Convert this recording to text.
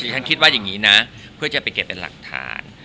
ฉันคิดว่าอย่างนี้นะเพื่อจะไปเก็บเป็นหลักฐาน